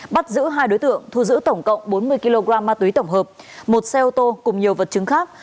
bắt giữ hai đối tượng thu giữ tổng cộng bốn mươi kg ma túy tổng hợp một xe ô tô cùng nhiều vật chứng khác